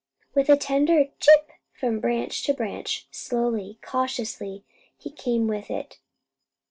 With a tender "Chip!" from branch to branch, slowly, cautiously, he came with it.